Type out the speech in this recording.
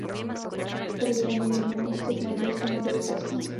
Prý ani jedno z těch manželství nebylo šťastné.